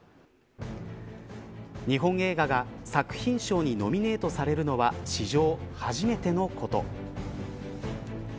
日本映画が作品賞にノミネートされるのは史上初めてのこと。